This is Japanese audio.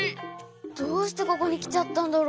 どうしてここにきちゃったんだろ？